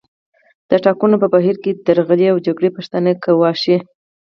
د ټاکنو په بهیر کې درغلۍ او جګړې پښتانه ګواښي